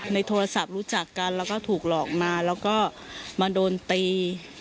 ในโทรศัพท์รู้จักกันแล้วก็ถูกหลอกมาแล้วก็มาโดนตี